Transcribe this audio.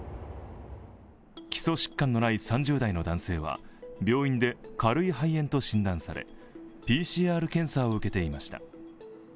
基礎疾患のない３０代の男性は病院で軽い肺炎と診断されＰＣＲ検査を受けていました。